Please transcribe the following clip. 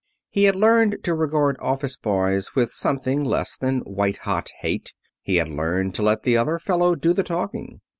He had learned to regard office boys with something less than white hot hate. He had learned to let the other fellow do the talking.